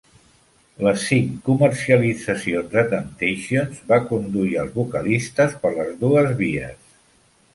Les cinc comercialitzacions de Temptations van conduir als vocalistes per les dues vies.